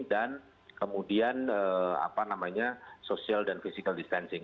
dan kemudian apa namanya social dan physical distancing